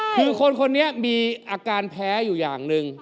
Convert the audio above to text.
คือคนคนนี้มีอาการแพ้อยู่อย่างหนึ่ง